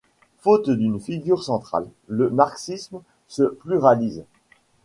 Faute d'une figure centrale, le marxisme se pluralise.